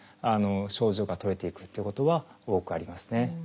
症状が取れていくっていうことは多くありますね。